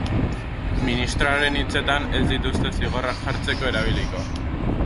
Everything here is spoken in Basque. Ministroaren hitzetan, ez dituzte zigorrak jartzeko erabiliko.